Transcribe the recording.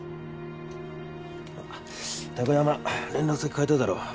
あっ貴山連絡先変えただろ？